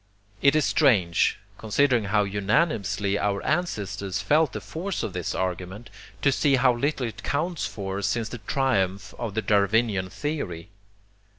It is strange, considering how unanimously our ancestors felt the force of this argument, to see how little it counts for since the triumph of the darwinian theory.